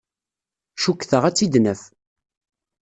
Cukkteɣ ad tt-id-naf.